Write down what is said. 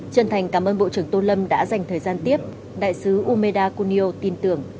chân thành cảm ơn bộ trưởng tô lâm đã dành thời gian tiếp đại sứ umeda kunio tin tưởng